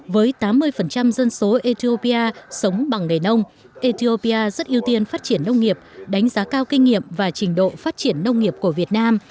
với tám mươi dân số ethiopia sống bằng nghề nông ethiopia rất ưu tiên phát triển nông nghiệp đánh giá cao kinh nghiệm và trình độ phát triển nông nghiệp của việt nam